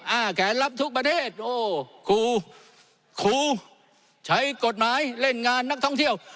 แขนรับทุกประเทศโอ้ครูครูใช้กฎหมายเล่นงานนักท่องเที่ยว